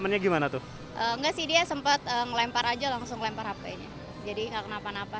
jadi langsung lempar hp nya jadi gak kenapa napa